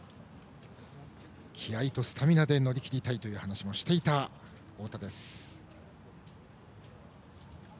気合いとスタミナで乗り切りたいと話もしていた太田です。